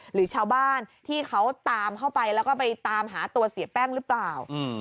หรือชาวบ้านที่เขาตามเข้าไปแล้วก็ไปตามหาตัวเสียแป้งหรือเปล่า